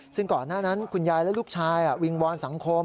ซึ่งก่อนหน้านั้นคุณยายและลูกชายวิงวอนสังคม